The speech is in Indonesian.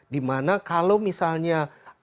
dimana kalau misalnya